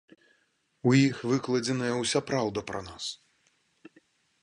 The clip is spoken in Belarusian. У іх выкладзеная ўся праўда пра нас.